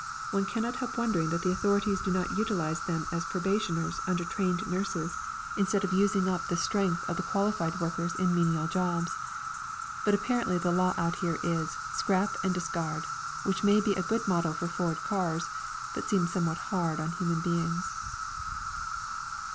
One cannot help wondering that the authorities do not utilise them as probationers under trained nurses instead of using up the strength of the qualified workers in menial jobs. But apparently the law out here is "scrap and discard," which may be a good motto for Ford cars, but seems somewhat hard on human beings.